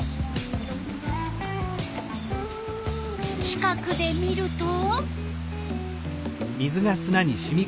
近くで見ると？